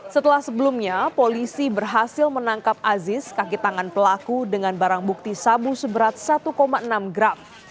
setelah sebelumnya polisi berhasil menangkap aziz kaki tangan pelaku dengan barang bukti sabu seberat satu enam gram